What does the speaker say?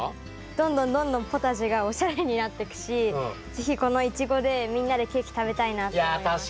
どんどんどんどんポタジェがおしゃれになってくし是非このイチゴでみんなでケーキ食べたいなって思いました。